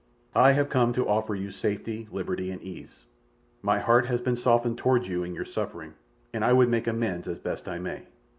"I have come to offer you safety, liberty, and ease. My heart has been softened toward you in your suffering, and I would make amends as best I may.